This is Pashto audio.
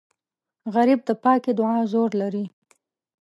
غریب د پاکې دعا زور لري